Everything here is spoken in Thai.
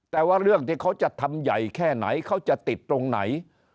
แต่ว่าเรื่องที่เขาจะทำใหญ่แค่ไหนเขาจะติดตรงไหน